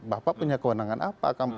bapak punya keunangan apa